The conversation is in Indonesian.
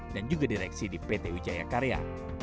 dan juga direksi di pt wijayakarya